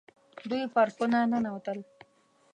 دوی پر خونه ننوتل.